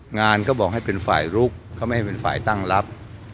เขาบอกให้เป็นฝ่ายลุกเขาไม่ให้เป็นฝ่ายตั้งรับ